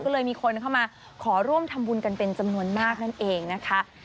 ก็เลยมีคนเข้ามาขอร่วมทำบุญกันเป็นจำนวนมากนั่นเองนะคะ